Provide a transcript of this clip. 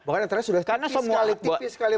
bahkan antara sudah tipis sekali